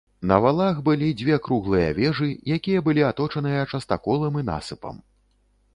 На валах былі дзве круглыя вежы, якія былі аточаныя частаколам і насыпам.